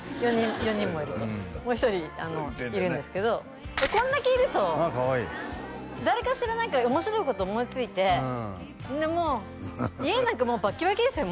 ４人もいるともう一人いるんですけどこんだけいるとあっかわいい誰かしら何か面白いこと思いついてでもう家なんかもうバッキバキですよ